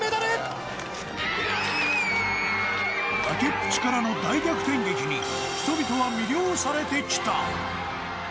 崖っぷちからの大逆転劇に人々は魅了されてきた